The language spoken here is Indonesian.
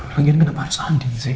lagian kenapa harus andin sih